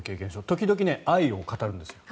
時々、愛を語るんですよ。